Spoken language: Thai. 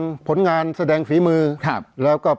เพราะฉะนั้นประชาธิปไตยเนี่ยคือการยอมรับความเห็นที่แตกต่าง